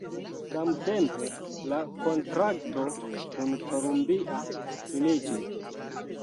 Samtempe la kontrakto kun Columbia finiĝis.